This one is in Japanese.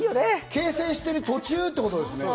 形成している途中っていうことですね。